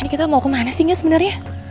ini kita mau kemana sih gak sebenarnya